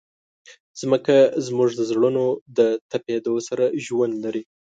مځکه زموږ د زړونو د تپېدو سره ژوند لري.